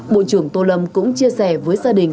bộ trưởng tô lâm cũng chia sẻ với gia đình